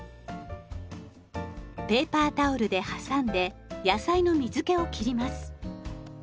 ペーパータオルで挟んで野菜の水けを切ります。